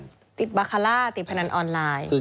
ติดบาคาร่าติดพนันออนไลน์